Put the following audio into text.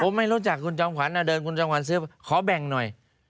ผมไม่รู้จักคุณจอมขวัญเดินคุณจอมขวัญซื้อขอแบ่งหน่อย